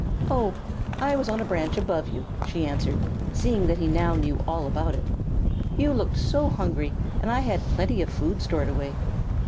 "Oh! I was on a branch above you," she answered, seeing that he now knew all about it. "You looked so hungry, and I had plenty of food stored away.